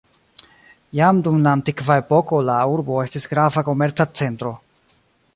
Jam dum la antikva epoko la urbo estis grava komerca centro.